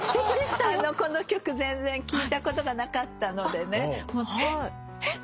この曲全然聞いたことがなかったのでねえっ？